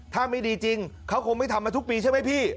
ถ้าไม่ดีจริงเขาคงไม่ทำมาทุกปีใช่ไหมพี่